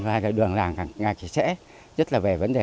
và đường làng ngạc sẽ rất là vẻ vấn đề